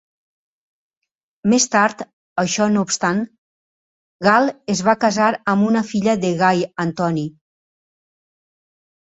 Més tard, això no obstant, Gal es va casar amb una filla de Gai Antoni.